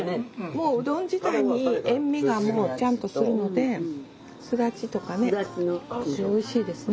もううどん自体に塩味がもうちゃんとするのですだちとかねおいしいですね。